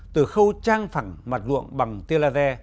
từ khâu trang phẳng mặt luộng bằng tiên la rè